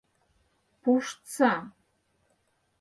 Пуштса!